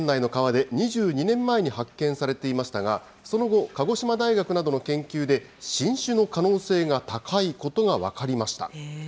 鹿児島県内の川で２２年前に発見されていましたが、その後、鹿児島大学などの研究で新種の可能性が高いことが分かりました。